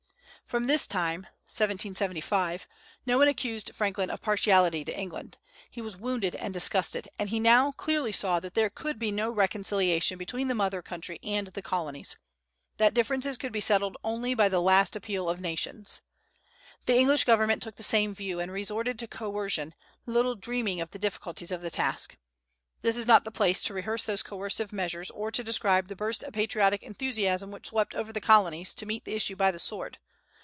From this time, 1775, no one accused Franklin of partiality to England. He was wounded and disgusted, and he now clearly saw that there could be no reconciliation between the mother country and the Colonies, that differences could be settled only by the last appeal of nations. The English government took the same view, and resorted to coercion, little dreaming of the difficulties of the task. This is not the place to rehearse those coercive measures, or to describe the burst of patriotic enthusiasm which swept over the Colonies to meet the issue by the sword.